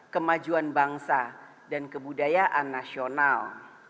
kemajuan bangsa dan kebudayaan nasional